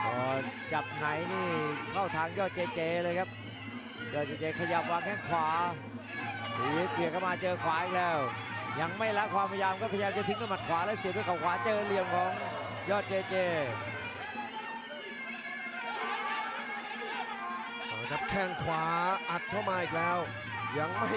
โอ้นี่ครับลูอีสมัดที่ว่าดีของเขากับไม่ใช่ครับไปแลกนายสู้กับยอดเจเจสัดด้วยแข่งซ้าย